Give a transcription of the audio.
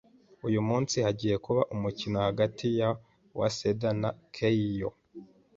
Uyu munsi hagiye kuba umukino hagati ya Waseda na Keio.